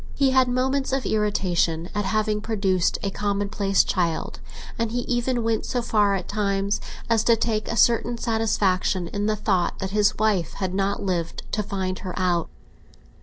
He had moments of irritation at having produced a commonplace child, and he even went so far at times as to take a certain satisfaction in the thought that his wife had not lived to find her out.